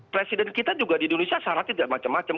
presiden kita juga di indonesia syaratnya tidak macam macam